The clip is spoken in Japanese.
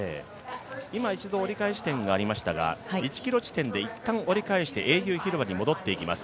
今、折り返し地点がありましたが、１ｋｍ地点で一旦折り返して英雄広場に戻っていきます。